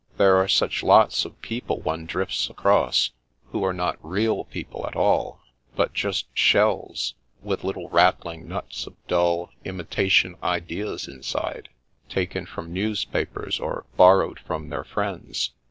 There are such lots of people one drifts across, who are not real people at all, but just shells, with little rattling nuts of dull, imitation ideas inside, taken from newspapers, or borrowed from their friends.